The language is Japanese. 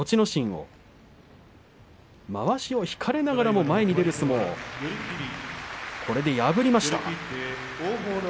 心をまわしを引かれながらも前に出る相撲、これで破りました。